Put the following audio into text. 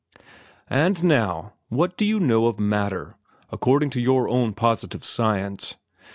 "And now, what do you know of matter, according to your own positive science?